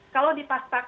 kalau dipaksakan ada